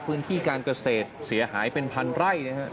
พื้นที่การเกษตรเสียหายเป็นพันไร่นะครับ